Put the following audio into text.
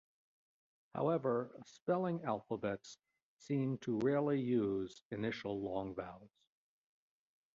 However, spelling alphabets seem to rarely use initial long vowels.